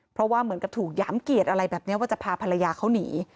เพราะว่าเหมือนกับถูกหยามเกียรติอะไรแบบนี้ว่าจะพาภรรยาเขาหนี